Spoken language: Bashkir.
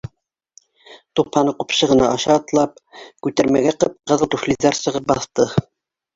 Тупһаны ҡупшы ғына аша атлап, күтәрмәгә ҡып-ҡыҙыл туфлиҙар сығып баҫты.